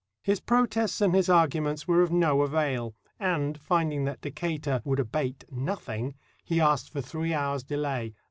His protests and his arguments were of no avail, and, finding that Decatur would abate nothing, he asked for three hours' delay.